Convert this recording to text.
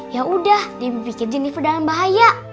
yaudah debby pikir jennifer dalam bahaya